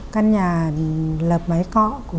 căn nhà lập máy cọ